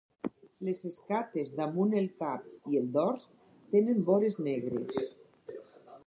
Les escates damunt el cap i el dors tenen vores negres.